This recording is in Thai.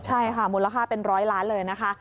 ใช่ค่ะมูลค่าเป็นร้อยล้านเลยนะคะ